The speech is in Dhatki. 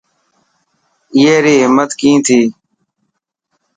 اي ري همت ڪئي ٿي.